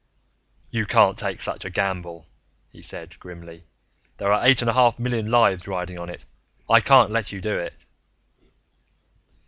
"You can't take such a gamble," he said grimly. "There are eight and a half million lives riding on it. I can't let you do it."